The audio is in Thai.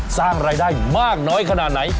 สร้างรายได้มากน้อยขนาดไหน